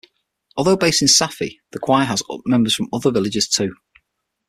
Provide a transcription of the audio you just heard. Although based in Safi, the choir has members from other villages too.